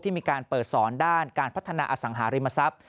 มีการเปิดสอนด้านการพัฒนาอสังหาริมทรัพย์